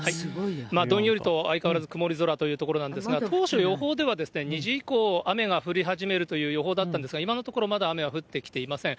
どんよりと相変わらず曇り空というところなんですが、当初予報では２時以降、雨が降り始めるという予報だったんですが、今のところ、まだ雨は降ってきていません。